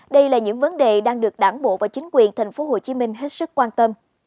đây là những vấn đề đang được đảng bộ và chính quyền tp hcm hết sức quan tâm